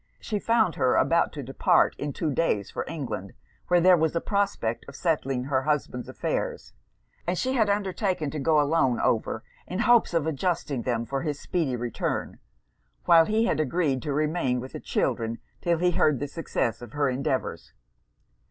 She found her about to depart, in two days, for England, where there was a prospect of settling her husband's affairs; and she had undertaken to go alone over, in hopes of adjusting them for his speedy return; while he had agreed to remain with the children 'till he heard the success of her endeavours.